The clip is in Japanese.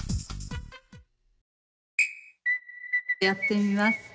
やってみます